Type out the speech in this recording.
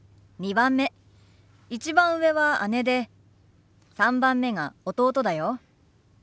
１番上は姉で３番目が弟だよ。